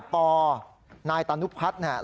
ปนายตานุพัฒน์เนี่ย